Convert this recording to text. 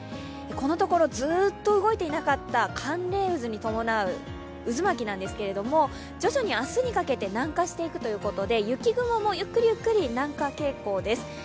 このところずっと動いていなかった寒冷渦に伴う渦巻きなんですけれども、徐々に明日にかけて南下していくということで雪雲もゆっくりゆっくり南下傾向です。